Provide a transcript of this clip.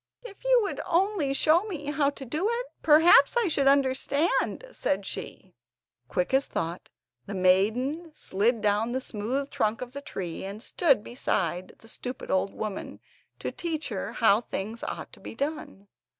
"If you would only show me how to do it, perhaps I should understand," said she. Quick as thought, the maiden slid down the smooth trunk of the tree, and stood beside the stupid old woman, to teach her how things ought to be done.